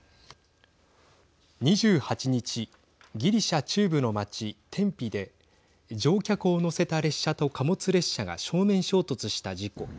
２８日、ギリシャ中部の町テンピで、乗客を乗せた列車と貨物列車が正面衝突した事故。